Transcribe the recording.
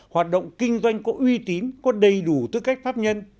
hoạt động kinh doanh có uy tín có đầy đủ tư cách pháp nhân